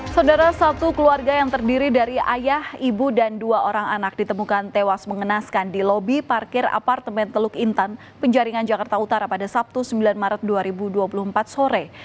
saudara satu keluarga yang terdiri dari ayah ibu dan dua orang anak ditemukan tewas mengenaskan di lobi parkir apartemen teluk intan penjaringan jakarta utara pada sabtu sembilan maret dua ribu dua puluh empat sore